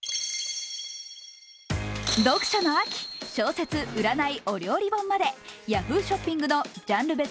読書の秋、小説、占い、お料理本までＹａｈｏｏ！ショッピングのジャンル別